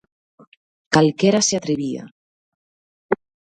Calquera se atrevía.